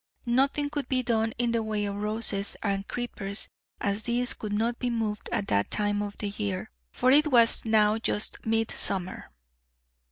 Nothing could be done in the way of roses and creepers, as these could not be moved at that time of year, for it was now just midsummer.